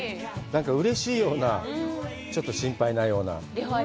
なんかうれしいような、ちょっと心配なような。